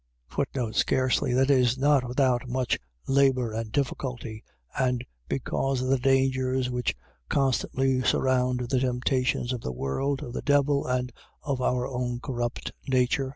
Scarcely. . .That is, not without much labour and difficulty; and because of the dangers which constantly surround, the temptations of the world, of the devil, and of our own corrupt nature.